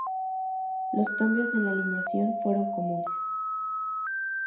Los cambios en la alineación fueron comunes.